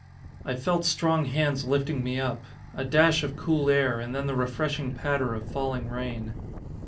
I felt strong hands lifting me up. A dash of cool air, and then the refreshing patter of falling rain.